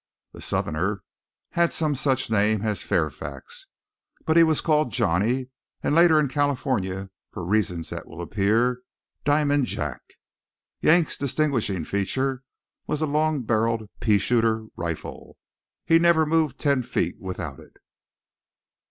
The Southerner had some such name as Fairfax, but was called Johnny, and later in California, for reasons that will appear, Diamond Jack. Yank's distinguishing feature was a long barrelled "pea shooter" rifle. He never moved ten feet without it.